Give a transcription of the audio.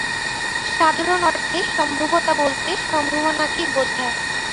সাধারণ অর্থে সম্ভাব্যতা বলতে সম্ভাবনা কেই বোঝায়।